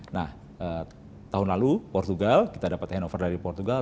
nah tahun lalu portugal kita dapat hanover dari portugal